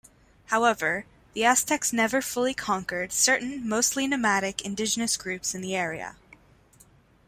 However, the Aztecs never fully conquered certain mostly nomadic indigenous groups in the area.